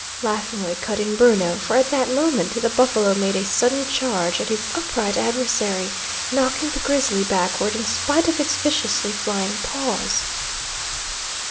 laughingly cut in Bruno; for at that moment the buffalo made a sudden charge at his upright adversary, knocking the grizzly backward in spite of its viciously flying paws.